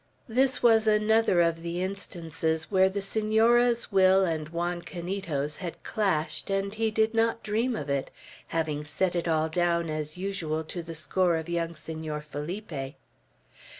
This was another of the instances where the Senora's will and Juan Canito's had clashed and he did not dream of it, having set it all down as usual to the score of young Senor Felipe.